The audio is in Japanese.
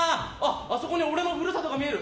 あそこに俺のふるさとが見える！